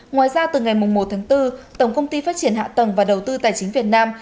ngoài ra từ ngày một tháng bốn tổng công ty phát triển hạ tầng và đầu tư tài chính việt nam